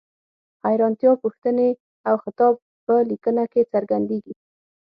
حیرانتیا، پوښتنې او خطاب په لیکنه کې څرګندیږي.